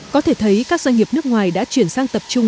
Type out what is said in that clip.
có thể thấy các doanh nghiệp nước ngoài đã chuyển sang tập trung